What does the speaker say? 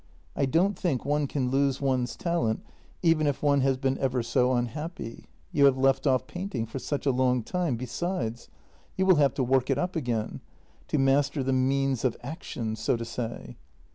I don't think one can lose one's talent even if one has been ever so unhappy. You have left off painting for such a long time, besides; you will have to work it up again — to master the means of action, so to say.